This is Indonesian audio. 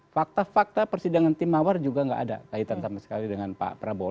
fakta fakta persidangan tim mawar juga nggak ada kaitan sama sekali dengan pak prabowo